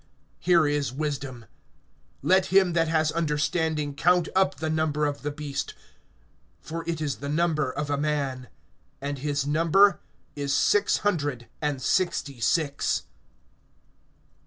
(18)Here is wisdom. Let him that has understanding count up the number of the beast, for it is the number of a man; and his number is Six hundred and sixty six.